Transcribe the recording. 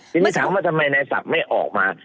ทีนี้ถามว่าทำไมนายศัพท์ไม่ออกมา